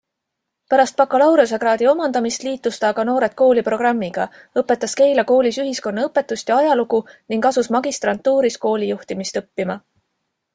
Pärast bakalaureusekraadi omandamist liitus ta aga Noored Kooli programmiga, õpetas Keila koolis ühiskonnaõpetust ja ajalugu ning asus magistrantuuris koolijuhtimist õppima.